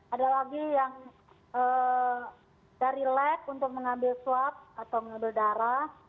ada lagi yang dari lab untuk mengambil swab atau mengambil darah